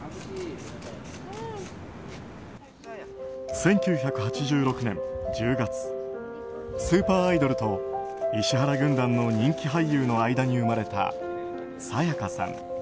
１９８６年１０月スーパーアイドルと石原軍団の人気俳優の間に生まれた沙也加さん。